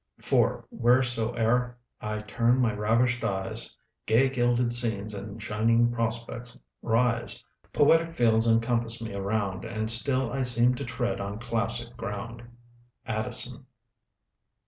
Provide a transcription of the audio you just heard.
"For, wheresoe'er I turn my ravished eyes, Gay gilded scenes and shining prospects rise; Poetic fields encompass me around, And still I seem to tread on classic ground." ADDISON.